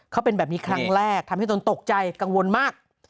เขาเป็นแบบนี้ครั้งแรกทำให้ตนตกใจกังวลมาก